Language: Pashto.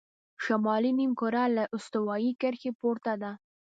شمالي نیمهکره له استوایي کرښې پورته ده.